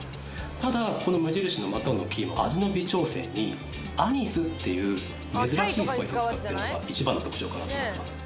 ただこの無印のマトンのキーマはっていう珍しいスパイスを使ってるのが一番の特徴かなと思います